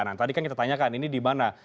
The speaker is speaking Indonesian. nah tadi kan kita tanyakan ini di mana